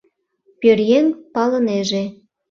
Пӧръеҥ палынеже: